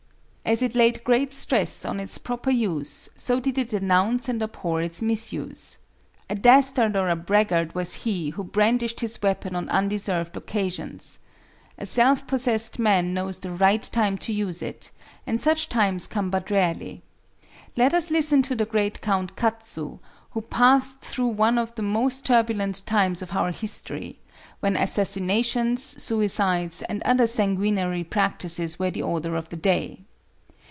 As it laid great stress on its proper use, so did it denounce and abhor its misuse. A dastard or a braggart was he who brandished his weapon on undeserved occasions. A self possessed man knows the right time to use it, and such times come but rarely. Let us listen to the late Count Katsu, who passed through one of the most turbulent times of our history, when assassinations, suicides, and other sanguinary practices were the order of the day.